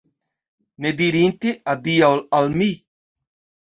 Ne dirinte adiaŭ al mi!